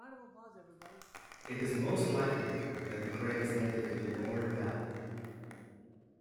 It is most likely that the grape is native to the Loire Valley.